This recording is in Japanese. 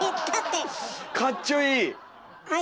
かっちょいい！